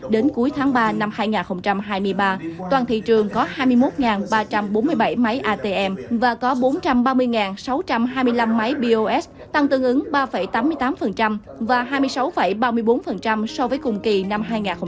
đến cuối tháng ba năm hai nghìn hai mươi ba toàn thị trường có hai mươi một ba trăm bốn mươi bảy máy atm và có bốn trăm ba mươi sáu trăm hai mươi năm máy bos tăng tương ứng ba tám mươi tám và hai mươi sáu ba mươi bốn so với cùng kỳ năm hai nghìn hai mươi hai